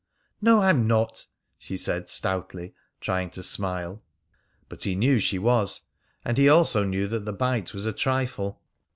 "No, I'm not," she said stoutly, trying to smile. But he knew she was. And he knew also that the bite was a trifle.